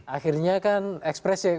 akhirnya kan ekspresi